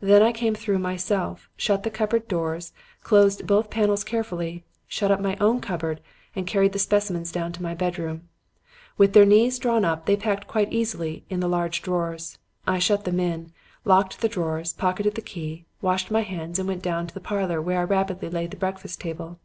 Then I came through myself, shut the cupboard doors, closed both panels carefully, shut up my own cupboard and carried the specimens down to my bedroom. With their knees drawn up, they packed quite easily in the large drawers. I shut them in, locked the drawers, pocketed the key, washed my hands and went down to the parlor, where I rapidly laid the breakfast table.